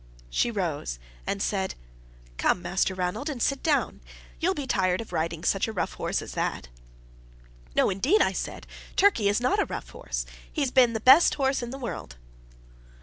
She rose, and said: "Come, Master Ranald, and sit down. You'll be tired of riding such a rough horse as that." "No, indeed," I said; "Turkey is not a rough horse; he's the best horse in the world."